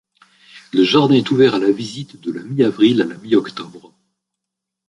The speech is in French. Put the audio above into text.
Le jardin est ouvert à la visite de la mi-avril à la mi-octobre.